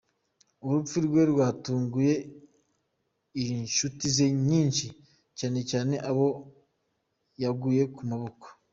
Urupfu rwe rwatunguye inshuti ze nyinshi, cyane cyane abo yaguye mu maboko.